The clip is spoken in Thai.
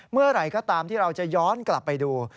เมื่อไหร่ก็ตามที่เราจะย้อนกลับไปดู